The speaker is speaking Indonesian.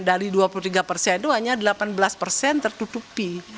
dari dua puluh tiga persen itu hanya delapan belas persen tertutupi